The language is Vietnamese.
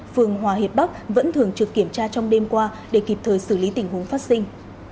phường hòa hiệp bắc vẫn thường trực kiểm tra trong đêm qua để kịp thời xử lý tình huống phát sinh